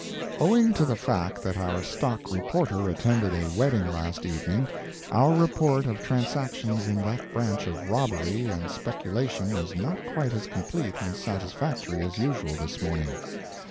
—Owing to the fact that our stock reporter attended a wedding last evening, our report of transactions in that branch of robbery and speculation is not quite as complete and satisfactory as usual this morning.